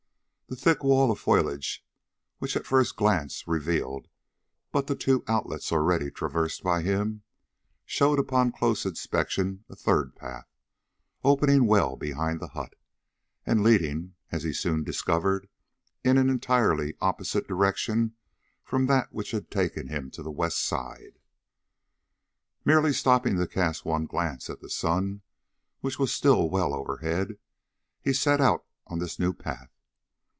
The thick wall of foliage which at first glance revealed but the two outlets already traversed by him, showed upon close inspection a third path, opening well behind the hut, and leading, as he soon discovered, in an entirely opposite direction from that which had taken him to West Side. Merely stopping to cast one glance at the sun, which was still well overhead, he set out on this new path.